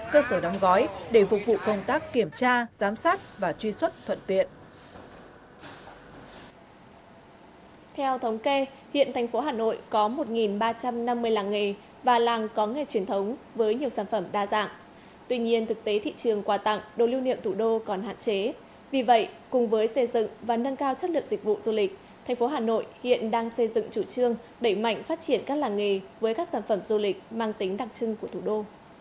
theo thống kê hiện thành phố hà nội có một ba trăm năm mươi làng nghề và làng có nghề truyền thống với nhiều sản phẩm đa dạng tuy nhiên thực tế thị trường quà tặng đồ lưu niệm thủ đô còn hạn chế vì vậy cùng với xây dựng và nâng cao chất lượng dịch vụ du lịch thành phố hà nội hiện đang xây dựng chủ trương đẩy mạnh phát triển các làng nghề với các sản phẩm du lịch mang tính đặc trưng của thủ đô